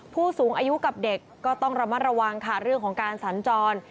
ผู้สูงอายุกับเด็กก็ต้องระมัดระวังค่ะเรื่องของการสัญจร